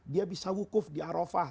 dia bisa wukuf di arafah